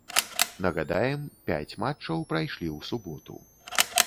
Нагадаем, пяць матчаў прайшлі ў суботу.